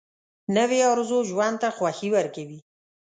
نوې ارزو ژوند ته خوښي ورکوي